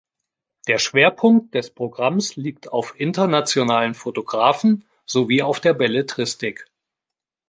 Der Schwerpunkt des Programms liegt auf internationalen Fotografen sowie auf der Belletristik.